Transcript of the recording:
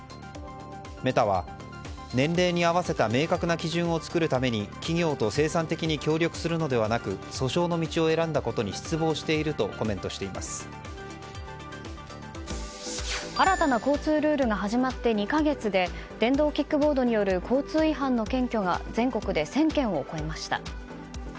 メタは、年齢に合わせた明確な基準を作るために企業と生産的に協力するのではなく訴訟の道を選んだことに失望していると新たな交通ルールが始まって２か月で電動キックボードによる交通違反の検挙が全国で１０００件を超えました。